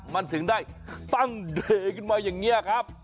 มันถึงได้ตั้งเดย์ขึ้นมาอย่างนี้ครับ